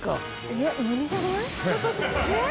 いや無理じゃない？えっ！？